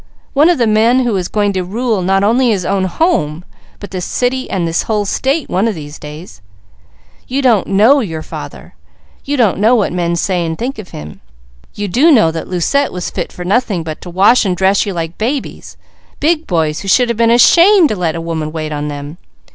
One of the men who is going to rule, not only his own home, but this city, and this whole state, one of these days. You don't know your father. You don't know what men say and think of him. You do know that Lucette was fit for nothing but to wash and dress you like babies, big boys who should have been ashamed to let a woman wait on them.